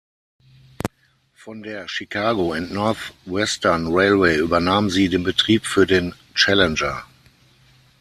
Von der Chicago and North Western Railway übernahm sie den Betrieb für den "Challenger".